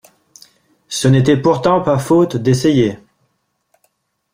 Ce n’était pourtant pas faute d’essayer.